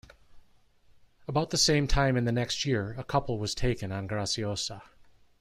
About the same time in the next year, a couple was taken on Graciosa.